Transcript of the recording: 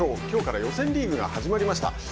きょうから予選リーグが始まりました。